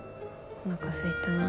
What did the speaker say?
おなかすいたなあ。